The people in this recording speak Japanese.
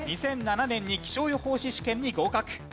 ２００７年に気象予報士試験に合格。